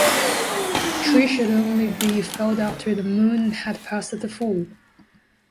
Trees should only be felled after the moon had passed the full.